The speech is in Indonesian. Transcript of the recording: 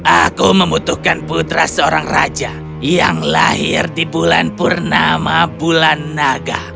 aku membutuhkan putra seorang raja yang lahir di bulan purnama bulan naga